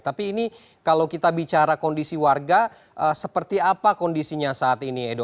tapi ini kalau kita bicara kondisi warga seperti apa kondisinya saat ini edo